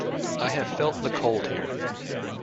I have felt the cold here.